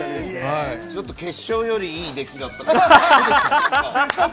ちょっと決勝よりいい出来だったかな。